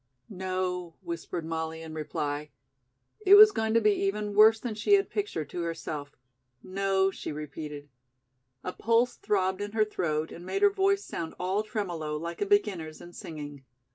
"No," whispered Molly in reply. It was going to be even worse than she had pictured to herself. "No," she repeated. A pulse throbbed in her throat and made her voice sound all tremolo like a beginner's in singing.